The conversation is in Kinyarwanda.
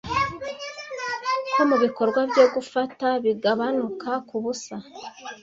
Ko mubikorwa byo gufata bigabanuka kubusa.